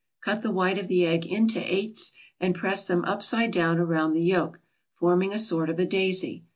Cut the white of the egg into eighths and press them upside down around the yolk, forming a sort of a daisy.